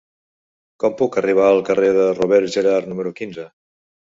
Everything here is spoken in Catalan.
Com puc arribar al carrer de Robert Gerhard número quinze?